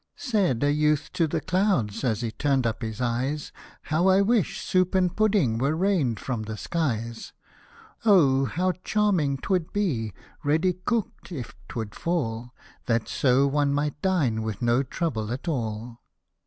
SAID a youth to the clouds, as he turn'd up his eyes, " How I wish soup and pudding were rain'd from the skies! O ! how charming 'twould be ready cook'd if 'twould fall, That so one might dine with no trouble at all."